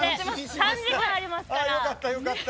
３時間ありますから。